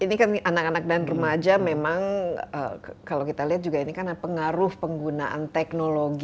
ini kan anak anak dan remaja memang kalau kita lihat juga ini kan pengaruh penggunaan teknologi